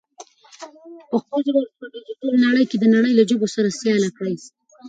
پښتو ژبه په ډیجیټل نړۍ کې د نړۍ له ژبو سره سیاله کړئ.